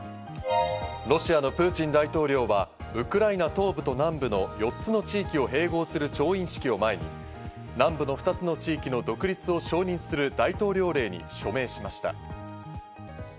ロシアのプーチン大統領はウクライナ東部と南部の４つの地域を併合する調印式を前に、南部の２つの地域の独立を承認する大統領令に署名しました。